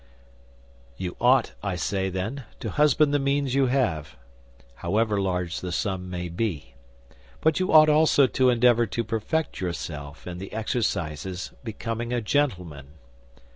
"You ought, I say, then, to husband the means you have, however large the sum may be; but you ought also to endeavor to perfect yourself in the exercises becoming a gentleman.